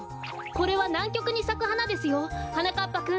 これはなんきょくにさくはなですよはなかっぱくん！